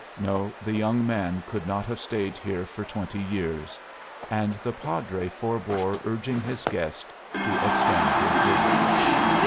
No, the young man could not have stayed here for twenty years! And the Padre forbore urging his guest to extend his visit.